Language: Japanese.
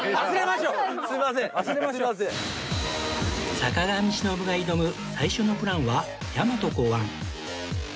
坂上忍が挑む最初のプランは大和考案